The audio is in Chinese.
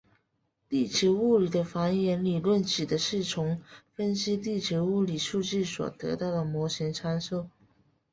地球物理的反演理论指的是从分析地球物理数据所得到的模型参数。